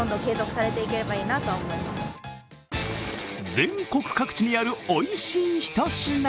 全国各地にある、おいしい一品。